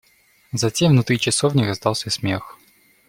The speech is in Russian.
Затем внутри часовни раздался смех.